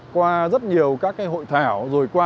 qua rất nhiều các hội thảo rồi qua